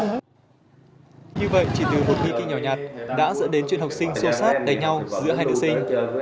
như vậy chỉ từ một nghi kỳ nhỏ nhạt đã dẫn đến chuyện học sinh xô xát đánh nhau giữa hai nữ sinh